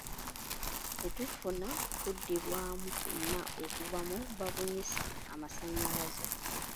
Tetufuna kuddibwamu kwonna okuva nu babunyisa amasannyalaze.